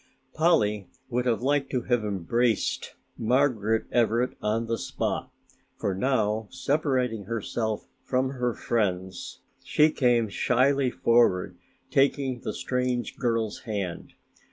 Polly would have liked to have embraced Margaret Everett on the spot, for now separating herself from her friends she came shyly forward taking the strange girl's hand.